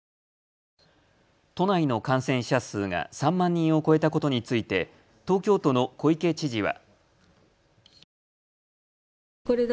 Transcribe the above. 都内の感染者数が３万人を超えたことについて東京都の小池知事は。